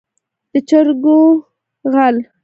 د چرګو غل.